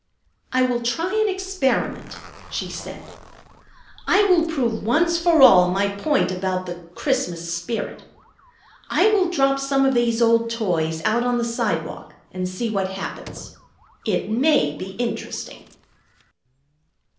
"I will try an experiment," she said. "I will prove once for all my point about the 'Christmas spirit.' I will drop some of these old toys out on the sidewalk and see what happens. It may be interesting."